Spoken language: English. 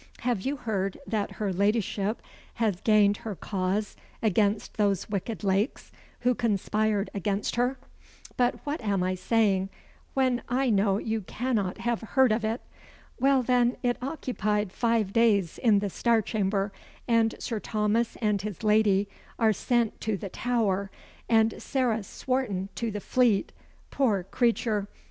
Have you heard that her ladyship has gained her cause against those wicked Lakes, who conspired against her? But what am I saying when I know you cannot have heard of it! Well, then, it occupied five days in the Star Chamber; and Sir Thomas and his lady are sent to the Tower, and Sarah Swarton to the Fleet. Poor creature!